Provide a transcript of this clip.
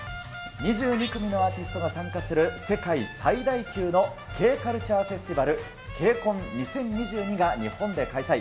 ２２組のアーティストが参加する世界最大級のＫーカルチャーフェスティバル、ケイコン２０２２が日本で開催。